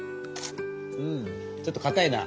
うんちょっとかたいな。